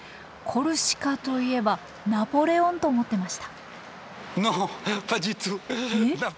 コルシカといえばナポレオンと思っていました。